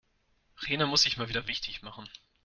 Rena muss sich mal wieder wichtig machen.